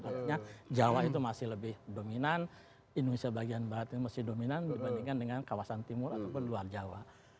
artinya jawa itu masih lebih dominan indonesia bagian barat ini masih dominan dibandingkan dengan kawasan timur ataupun luar jawa